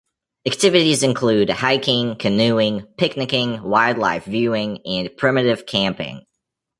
Activities include hiking, canoeing, picnicing, wildlife viewing and primitive camping.